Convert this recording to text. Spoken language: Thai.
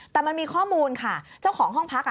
แต่มันมีข้อมูลค่ะเจ้าของห้องพัก